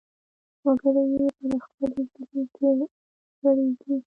وګړي يې پر خپلې ژبې ګړيږي.